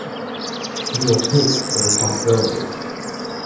You will take the responsibility.